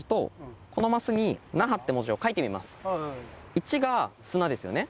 １が「砂」ですよね。